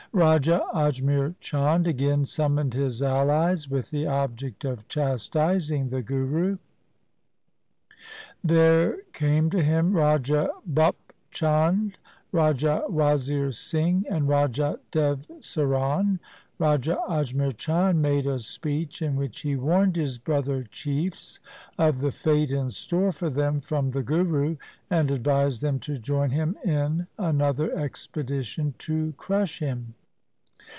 Raja Ajmer Chand again summoned his allies with the object of chastising the Guru. There came to him Raja Bhup Chand, Raja Wazir Singh, and Raja Dev Saran. Raja Ajmer Chand made a speech in which he warned his brother chiefs of the fate in store for them from the Guru, and advised them to join him in another expedition to crush him.